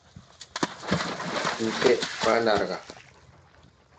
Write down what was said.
Susɛʼ bàa ɗaar gà.